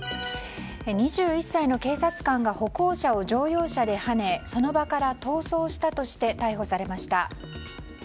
２１歳の警察官が歩行者を乗用車ではねその場から逃走したとして逮捕されました。